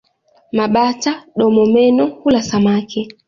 Mabata-domomeno hula samaki.